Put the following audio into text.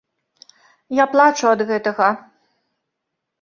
Я плачу ад гэтага.